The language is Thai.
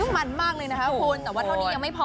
มันมากเลยนะคะคุณแต่ว่าเท่านี้ยังไม่พอ